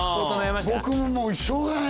僕もしょうがない。